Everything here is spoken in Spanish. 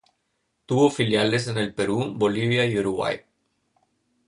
Tuvo filiales en el Perú, Bolivia y Uruguay.